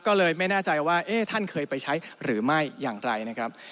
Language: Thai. ก็เลยไม่แน่ใจว่าท่านเคยไปใช้หรือไม่อย่างไรนะครับ